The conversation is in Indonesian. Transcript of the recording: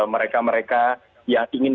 mereka mereka yang ingin